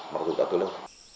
mặc dù đã từ lâu